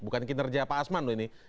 bukan kinerja pak asman loh ini